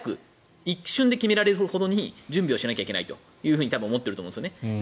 一瞬で決められるほどに準備をしなきゃいけないと思っていると思うんです。